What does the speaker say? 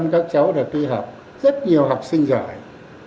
một trăm linh các cháu đã tuy học rất nhiều học sinh giỏi